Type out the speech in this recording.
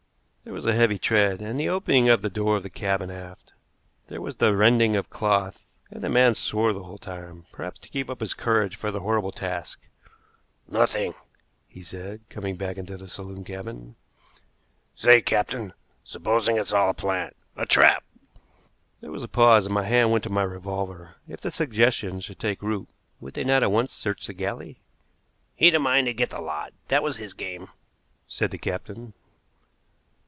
There was a heavy tread, and the opening of the door of the cabin aft. There was the rending of cloth, and the man swore the whole time, perhaps to keep up his courage for the horrible task. "Nothing!" he said, coming back into the saloon cabin. "Say, captain, supposing it's all a plant a trap!" There was a pause and my hand went to my revolver. If the suggestion should take root, would they not at once search the galley? "He'd a mind to get the lot, that was his game," said the captain.